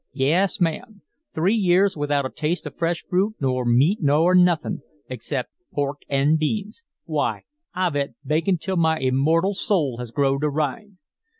Yes, ma'am three years without a taste of fresh fruit nor meat nor nuthin' except pork an' beans. Why, I've et bacon till my immortal soul has growed a rind.